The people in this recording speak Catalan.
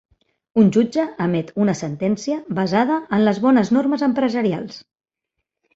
Un jutge emet una sentència basada en les "bones normes empresarials".